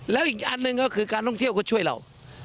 แล้วอีกอันหนึ่งก็คือการท่องเที่ยวก็ช่วยเรา